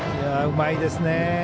うまいですね。